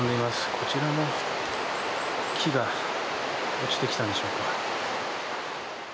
こちらの木が落ちてきたんでしょうか。